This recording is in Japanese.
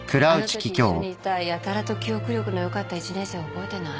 あのとき一緒にいたやたらと記憶力の良かった１年生覚えてない？